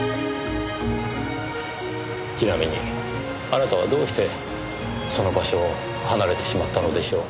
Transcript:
ちなみにあなたはどうしてその場所を離れてしまったのでしょう？